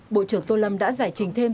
bộ trưởng tô lâm đã giải trình thêm